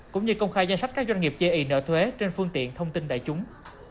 cũng như công khai danh sách các doanh nghiệp chê ý nợ thuế trên phương tiện thông tin đại chúng